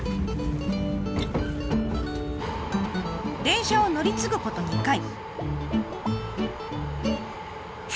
電車を乗り継ぐこと２回。